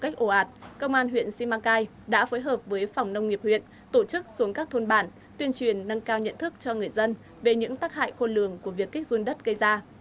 cơ quan huyện simacai đã phối hợp với phòng nông nghiệp huyện tổ chức xuống các thôn bản tuyên truyền nâng cao nhận thức cho người dân về những tác hại khôn lường của việc kích run đất gây ra